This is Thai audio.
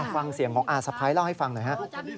ฟังเสียงของอาสะพ้ายเล่าให้ฟังหน่อยฮะ